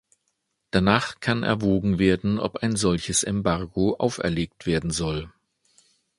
Danach kann erwogen werden, ob ein solches Embargo auferlegt werden soll.